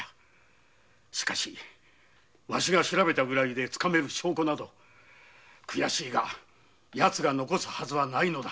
だがわしが調べたぐらいでつかめるような証拠など悔しいがヤツが残すはずがない。